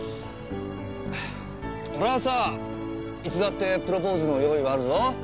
俺はいつだってプロポーズの用意はあるぞ！